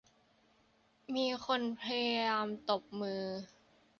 มีคนพยายามตบมือ